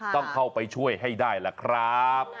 ต้องเข้าไปช่วยให้ได้ล่ะครับ